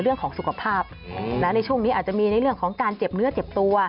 เรื่องของสุขภาพในช่วงนี้อาจจะมีในเรื่องของการเจ็บเนื้อเจ็บตัว